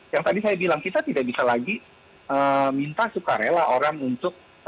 yang tadi saya bilang kita tidak bisa lagi minta sukarela orang untuk